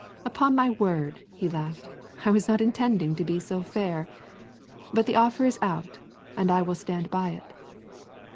"Upon my word," he laughed, "I was not intending to be so fair. But the offer is out, and I will stand by it."